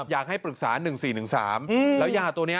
อยากให้ปรึกษา๑๔๑๓